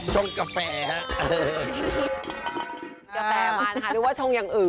ช่องอะไรคะ